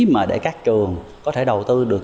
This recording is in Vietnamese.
mà để các trường có thể đầu tư được